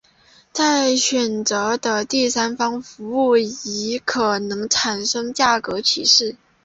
在选择的第三方服务上亦可能产生价格歧视。